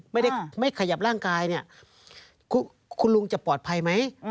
ไม่ขยับร่างกายเนี่ยคุณลุงจะปลอดภัยไหม